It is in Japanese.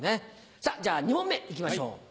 さぁじゃあ２問目いきましょう。